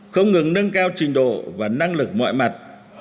không ngừng nâng cao trình độ và năng lực mọi mặt